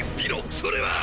それは。